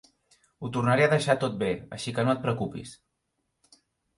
Ho tornaré a deixar tot bé, així que no et preocupis.